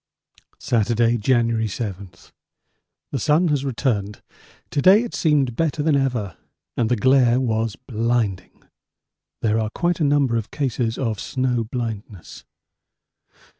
Saturday, January 7. The sun has returned. To day it seemed better than ever and the glare was blinding. There are quite a number of cases of snow blindness.